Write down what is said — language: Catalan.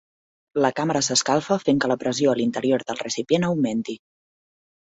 La càmera s'escalfa, fent que la pressió a l'interior del recipient augmenti.